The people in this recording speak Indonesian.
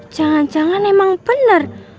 jangan jangan emang bener